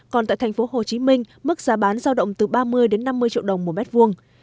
còn tại tp hcm mức giá bán giao động từ ba mươi năm mươi triệu đồng một mét vuông